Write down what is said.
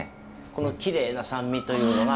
このきれいな酸味というのが。